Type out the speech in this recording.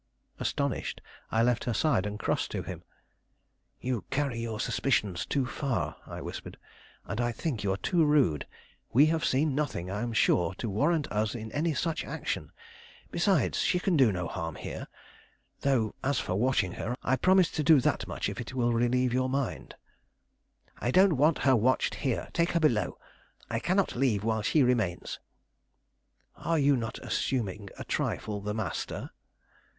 Astonished, I left her side and crossed to him. "You carry your suspicions too far," I whispered, "and I think you are too rude. We have seen nothing, I am sure, to warrant us in any such action; besides, she can do no harm here; though, as for watching her, I promise to do that much if it will relieve your mind." "I don't want her watched here; take her below. I cannot leave while she remains." "Are you not assuming a trifle the master?"